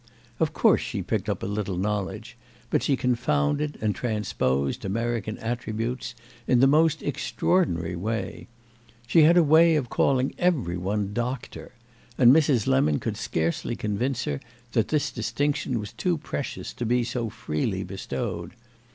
Of course she picked up a little knowledge, but she confounded and transposed American attributes in the most extraordinary way. She had a way of calling every one Doctor; and Mrs. Lemon could scarcely convince her that this distinction was too precious to be so freely bestowed.